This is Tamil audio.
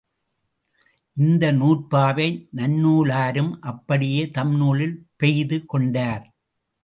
இந்த நூற்பாவை நன்னூலாரும் அப்படியே தம் நூலில் பெய்து கொண்டார்.